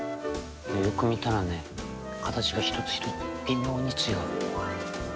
よーく見たらね形が一つ一つ微妙に違う。